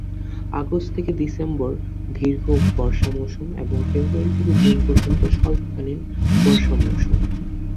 August থেকে December দীর্ঘ বর্ষা মৌসুম এবং ফেব্রুয়ারি থেকে জুন পর্যন্ত স্বল্পকালীন বর্ষা মৌসুম।